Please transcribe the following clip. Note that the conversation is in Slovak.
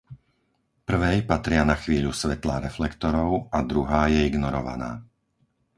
Prvej patria na chvíľu svetlá reflektorov a druhá je ignorovaná.